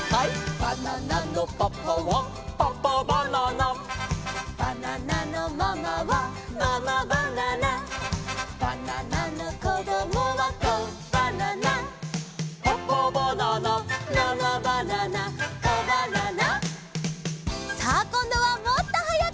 「バナナのパパはパパバナナ」「バナナのママはママバナナ」「バナナのこどもはコバナナ」「パパバナナママバナナコバナナ」